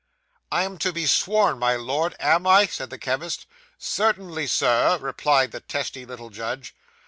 'I am to be sworn, my Lord, am I?' said the chemist. 'Certainly, sir,' replied the testy little judge.